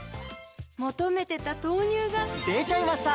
求めてた豆乳がでちゃいました！